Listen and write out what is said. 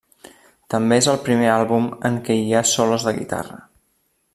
També és el primer àlbum en què hi ha solos de guitarra.